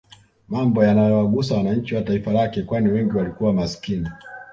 Mambo yanayowagusa wananchi wa taifa lake kwani wengi walikuwa maskini